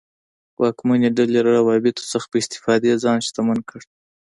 واکمنې ډلې له روابطو څخه په استفادې ځان شتمن کړ.